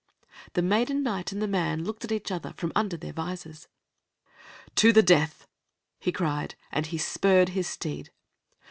The maiden knight and the man looked at each other from under their visors. "To the death!" he cried, and he spurred his steed.